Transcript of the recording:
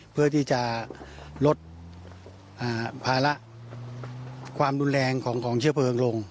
เพื่อที่จะลดภาระความรุนแรงของเชื้อเพลิงลง